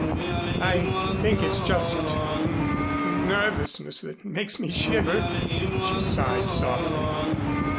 I think it's just n nervousness that makes me shiver," she sighed softly.